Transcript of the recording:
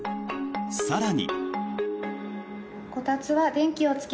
更に。